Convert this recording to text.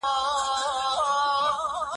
که په ټولنه کي پوهه وي نو تاوتریخوالی نه راځي.